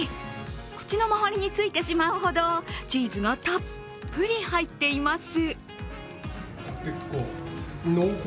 口の周りについてしまうほどチーズがたっぷり入っています。